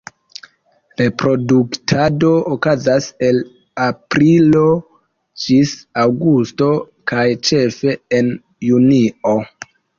Reproduktado okazas el aprilo ĝis aŭgusto, kaj ĉefe en junio.